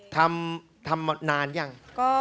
ทำมานานอย่าง